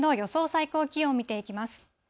最高気温見ていきます。